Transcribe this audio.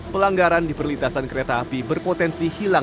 pelanggaran di perlintasan kereta api berpotensi hilang